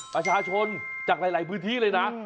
ประชาชนจากหลายพื้นที่เลยนะ